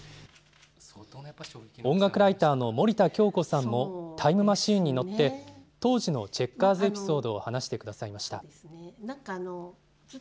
音楽ライターの森田恭子さんもタイムマシーンに乗って当時のチェッカーズエピソードを話してくださいました。